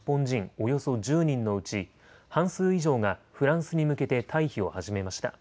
およそ１０人のうち半数以上がフランスに向けて退避を始めました。